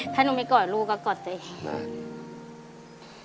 ถ้าหนูไม่กอดลูกก็กอดตัวเอง